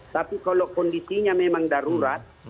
tapi kalau kondisinya memang darurat